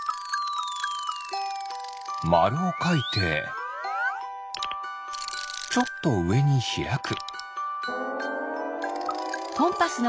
まるをかいてちょっとうえにひらく。